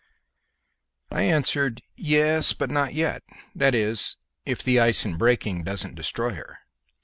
I answered, "Yes, but not yet; that is, if the ice in breaking doesn't destroy her.